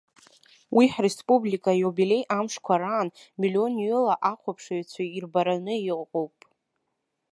Уи ҳреспублика аиубилеи амшқәа раан миллионҩыла ахәаԥшыҩцәа ирбараны иҟоуп.